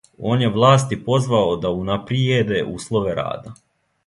Он је власти позвао да унаприједе услове рада.